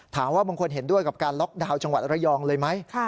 บางคนเห็นด้วยกับการล็อกดาวน์จังหวัดระยองเลยไหม